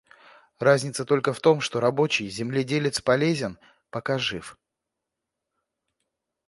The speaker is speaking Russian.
Разница только в том, что рабочий, земледелец полезен, пока жив.